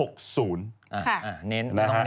ค่ะน้ำน้ำน้ำอืมแหม่